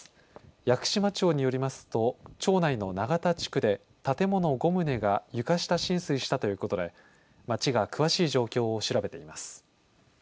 屋久島町によりますと町内の永田地区で建物５棟が床下浸水したということで町が詳しい状況を調べています。